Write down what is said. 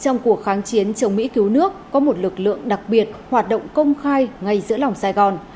trong cuộc kháng chiến chống mỹ cứu nước có một lực lượng đặc biệt hoạt động công khai ngay giữa lòng sài gòn